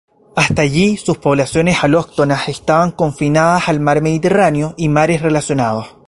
Hasta allí sus poblaciones alóctonas estaban confinadas al mar Mediterráneo y mares relacionados.